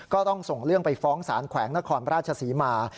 ก็ต้องส่งเรื่องไปฟ้องสารแขวงนครราชศรีมา